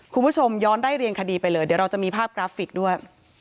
คุณผู้ชมย้อนไล่เรียงคดีไปเลยเดี๋ยวเราจะมีภาพกราฟิกด้วย